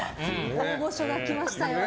大御所が来ましたよ。